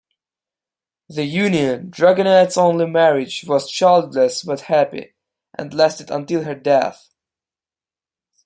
The union, Dragonette's only marriage, was childless but happy, and lasted until her death.